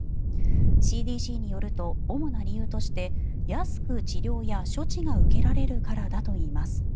ＣＤＣによると、主な理由として安く治療や処置が受けられるからだといいます。